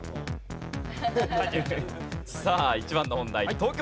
さあ１番の問題。